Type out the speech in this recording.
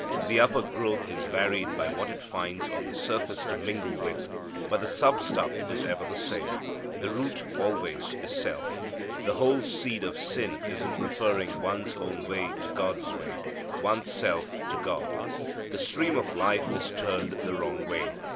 The upper growth is varied by what it finds on the surface to mingle with, but the sub stuff is ever the same. The root always is self. The whole seed of sin is in preferring one's own way to God's way; one's self to God. The stream of life is turned the wrong way.